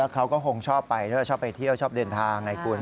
เขาก็คงชอบไปด้วยชอบไปเที่ยวชอบเดินทางไงคุณ